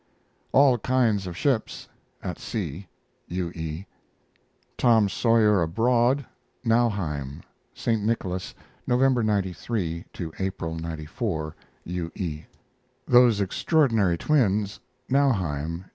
ALL KINDS OF SHIPS (at sea). U. E. Tom SAWYER ABROAD (Nauheim) St. Nicholas, November, '93, to April, '94. U. E. THOSE EXTRAORDINARY TWINS (Nauheim).